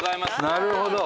なるほど。